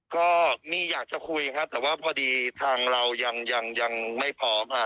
ก็มีอยากจะคุยครับแต่ว่าพอดีทางเรายังยังไม่พร้อมค่ะ